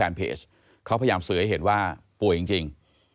เพจเขาพยายามสื่อให้เห็นว่าป่วยจริง